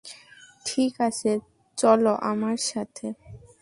ঠিক আছে, চলো আমার সাথে!